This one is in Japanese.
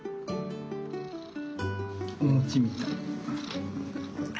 お餅みたい。